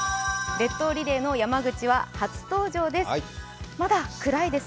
列島リレーの山口は初登場です。